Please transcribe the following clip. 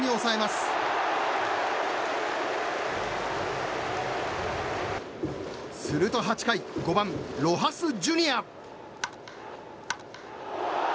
すると８回５番、ロハス・ジュニア。